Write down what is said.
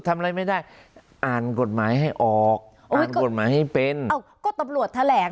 ทำอะไรไม่ได้อ่านกฎหมายให้ออกอ่านกฎหมายให้เป็นเอ้าก็ตำรวจแถลง